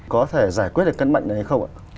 có thể giải quyết được căn bệnh này hay không ạ